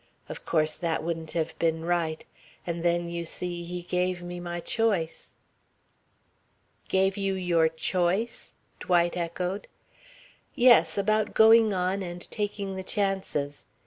Of course that wouldn't have been right. And then, you see, he gave me my choice." "Gave you your choice?" Dwight echoed. "Yes. About going on and taking the chances.